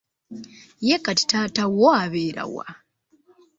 Ye kati taata wo abeera wa?